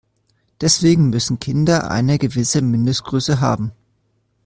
Deswegen müssen Kinder eine gewisse Mindestgröße haben.